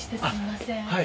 はい。